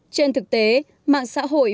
trên thực tế mạng xã hội